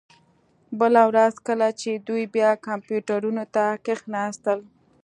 بله ورځ کله چې دوی بیا کمپیوټرونو ته کښیناستل